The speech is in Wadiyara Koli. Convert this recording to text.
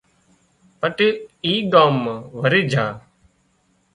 پٽيل اي ڳام وري جھا